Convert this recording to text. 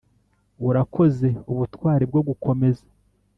urakoze ubutwari bwo gukomeza,